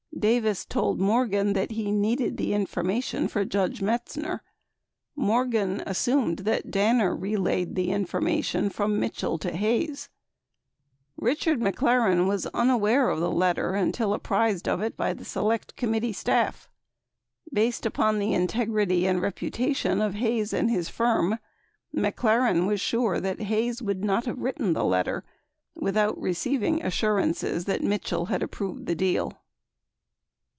Davis told Morgan that he needed the information for Judge Metzner; Morgan assumed that Danner relayed the information from Mitchell to Hayes. 33 Richard McLaren was unaware of the letter until apprised of it by the Select Committee staff. Based upon the integrity and reputa tion of Hayes and his firm, McLaren was sure that Hayes would not have written the letter without receiving assurances that Mitchell had approved the deal.